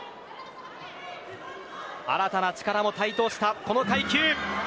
新たな力の台頭したこの階級。